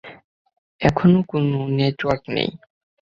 এখনও কোনো নেটওয়ার্ক নেই।